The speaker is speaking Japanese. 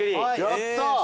やった。